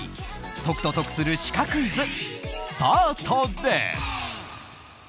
解くと得するシカクイズスタートです。